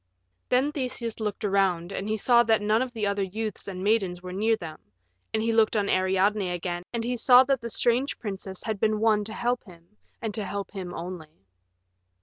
Then Theseus looked around, and he saw that none of the other youths and maidens were near them, and he looked on Ariadne again, and he saw that the strange princess had been won to help him, and to help him only.